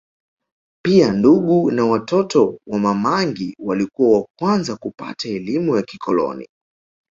Pia ndugu na watoto wa Mamangi walikuwa wa kwanza kupata elimu ya kikoloni